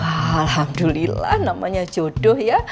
alhamdulillah namanya jodoh ya